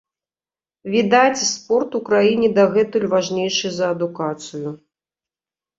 Відаць, спорт у краіне дагэтуль важнейшы за адукацыю.